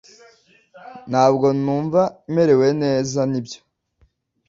Ntabwo numva merewe neza nibyo